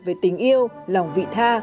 về tình yêu lòng vị tha